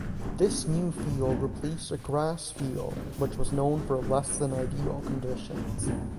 This new field replaced a grass field which was known for less-than-ideal conditions.